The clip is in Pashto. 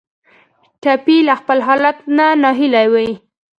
ټپي له خپل حالت نه ناهیلی وي.